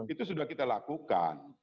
itu sudah kita lakukan